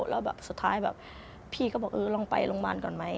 แล้วแบบสุดท้ายแบบพี่ก็บอกเออลองไปโรงพยาบาลก่อนไหม